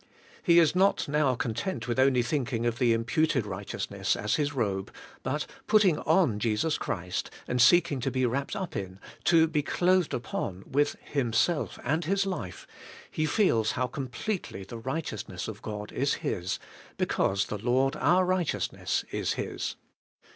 He is not now content with only thinking of the imputed righteousness as his robe; but, putting on Jesus Christ, and seeking to be wrapped up in, to be clothed upon with Himself and His life^ he feels how completely the righteousness of God is his, because the Lord our righteousness is his.